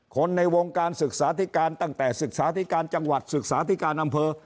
ในวงการศึกษาธิการตั้งแต่ศึกษาธิการจังหวัดศึกษาธิการอำเภอ